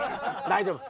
大丈夫。